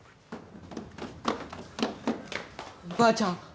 ばあちゃん